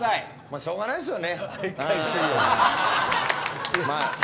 しょうがないですよね。